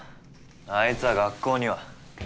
あいつは学校には。